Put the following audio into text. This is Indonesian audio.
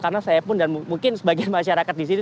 karena saya pun dan mungkin sebagian masyarakat disini